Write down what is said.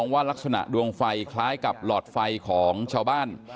ว่ารักษณะดวงไฟคล้ายกับหลอดไฟของชาวบ้าน